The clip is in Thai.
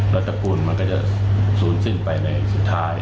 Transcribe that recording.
แล้วตระกูลมันก็จะศูนย์สิ้นไปในสุดท้าย